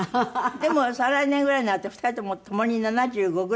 でも再来年ぐらいになると２人ともともに７５ぐらいになるんじゃない？